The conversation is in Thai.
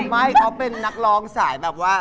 ไม่เขาเป็นนักร้องสายแบบว่า